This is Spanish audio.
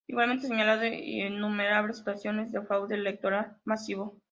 Igualmente señalando innumerables situaciones de fraude electoral masivo.